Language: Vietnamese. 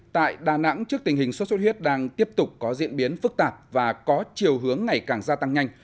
tại đà nẵng trước tình hình xuất xuất huyết đang tiếp tục có diễn biến phức tạp và có chiều hướng ngày càng gia tăng nhanh